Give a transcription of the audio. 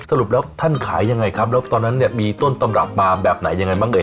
สรุปแล้วท่านขายยังไงครับแล้วตอนนั้นเนี่ยมีต้นตำรับมาแบบไหนยังไงบ้างเอ่